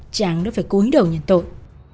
cháng đã phải cúi đầu nhận tội